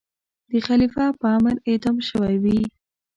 د خلیفه په امر اعدام شوی وي.